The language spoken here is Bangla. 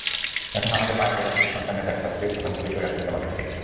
এখনো আমাদের মায়েদের অনেকেই সন্তানের দেখভালকে প্রাধান্য দিয়ে সরে আসছেন কর্মক্ষেত্র থেকে।